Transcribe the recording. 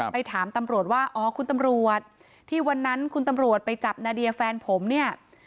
ไปถามตำรวจว่าอ๋อคุณตำรวจที่วันนั้นคุณตำรวจไปจับนาเดียแฟนผมเนี่ย